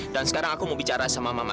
dan sekarang aku mau bicara sama mama